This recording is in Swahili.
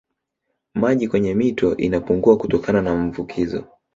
Maji kwenye mito inapungua kutokana na mvukizo